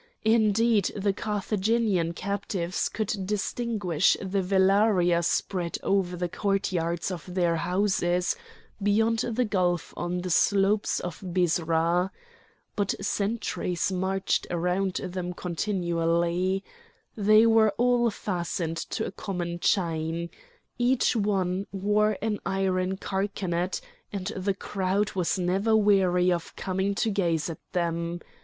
Indeed the Carthaginian captives could distinguish the velaria spread over the courtyards of their houses, beyond the gulf on the slopes of Byrsa. But sentries marched round them continually. They were all fastened to a common chain. Each one wore an iron carcanet, and the crowd was never weary of coming to gaze at them.